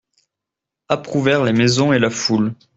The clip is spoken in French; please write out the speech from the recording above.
Approuvèrent les maisons et la foule.